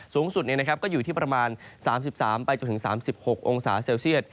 สูงสุดเลยอยู่ที่ประมาณ๓๓๓๖องศาเซลเซียด